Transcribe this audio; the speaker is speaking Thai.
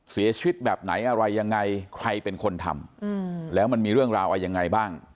เสียชีวิตแบบไหนอะไรยังไงใครเป็นคนทำแล้วมันมีเรื่องราวอะไรยังไงบ้าง